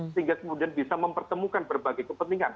sehingga kemudian bisa mempertemukan berbagai kepentingan